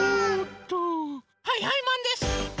はいはいマンです！